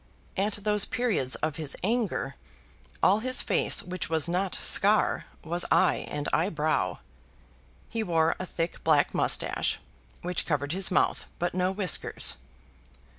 At those periods of his anger, all his face which was not scar, was eye and eyebrow. He wore a thick black moustache, which covered his mouth, but no whiskers.